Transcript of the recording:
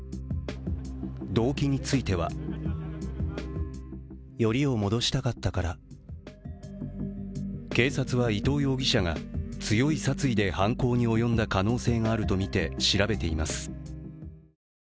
動機については警察は、伊藤容疑者が強い殺意で犯行に及んだ可能性があるとみて調べています